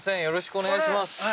よろしくお願いします